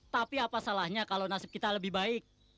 tapi apa salahnya kalau nasib kita lebih baik